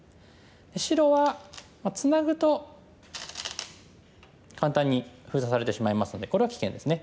白はツナぐと簡単に封鎖されてしまいますのでこれは危険ですね。